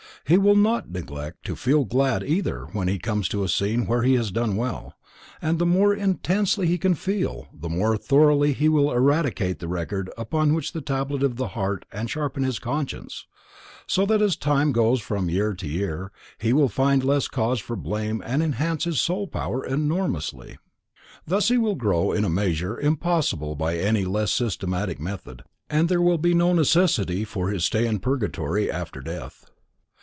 He will not neglect to feel glad either when he comes to a scene where he has done well, and _the more intensely he can feel, the more thoroughly he will eradicate the record upon the tablet of the heart and sharpen his conscience_, so that as time goes on from year to year, he will find less cause for blame and enhance his soul power enormously. Thus he will grow in a measure impossible by any less systematic method, and there will be no necessity for his stay in purgatory after death.